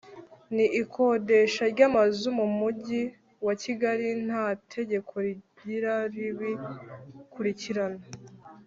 n ikodesha ry amazu mu mujyi wa Kigali ntategeko rigira ribi kurikirana.